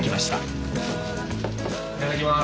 いただきます。